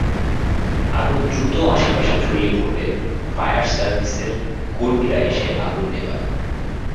আগুন দ্রুত আশপাশে ছড়িয়ে পড়লে ফায়ার সার্ভিসের কর্মীরা এসে আগুন নেভান।